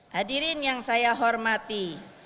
hadirin yang saya hormati